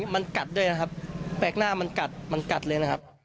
มันกัดด้วยนะครับแปลกหน้ามันกัดมันกัดเลยนะครับ